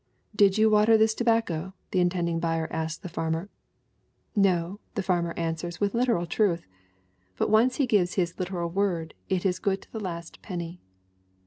'Did you water this tobacco?' the intending buyer asks the farmer. 'No,' the farmer answers with literal truth. But once he gives his literal word it is good to the last penny."